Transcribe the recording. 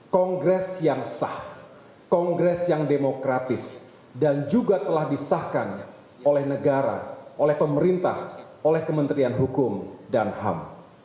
kongres yang sah kongres yang demokratis dan juga telah disahkan oleh negara oleh pemerintah oleh kementerian hukum dan ham